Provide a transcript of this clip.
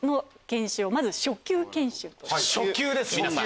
初級です皆さん。